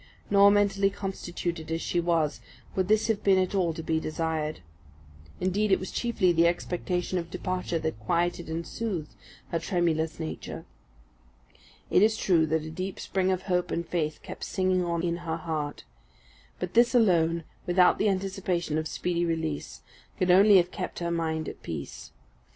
Nor, mentally constituted as she was, would this have been at all to be desired. Indeed it was chiefly the expectation of departure that quieted and soothed her tremulous nature. It is true that a deep spring of hope and faith kept singing on in her heart, but this alone, without the anticipation of speedy release, could only have kept her mind at peace.